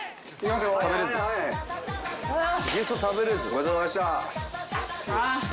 ごちそうさまでした。